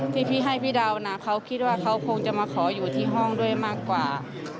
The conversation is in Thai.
ที่พี่ให้พี่เดานะเขาคิดว่าเขาคงจะมาขออยู่ที่ห้องด้วยมากกว่า